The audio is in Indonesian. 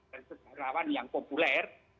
dan sejarawan yang populer